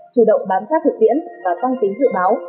chủ động bám sát thực tiễn và tăng tính dự báo